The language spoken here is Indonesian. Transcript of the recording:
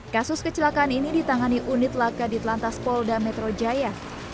kasus kecelakaan ini ditangani unit laka di telantas polda metro jaya